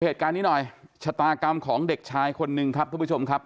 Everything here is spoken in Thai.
เหตุการณ์นี้หน่อยชะตากรรมของเด็กชายคนหนึ่งครับทุกผู้ชมครับ